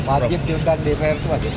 majib diuntan dpr itu maju